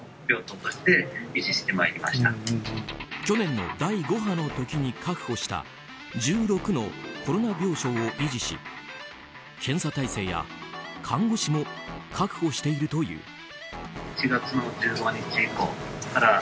去年の第５波の時に確保した１６のコロナ病床を維持し検査体制や看護師も確保しているという。